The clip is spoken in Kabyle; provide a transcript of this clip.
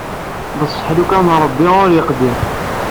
Beṣṣeḥ lkun n Ṛebbi ul yqeddi.